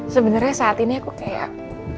sebenarnya saat ini aku kayak